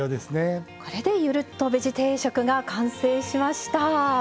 これで「ゆるっとベジ定食」が完成しました。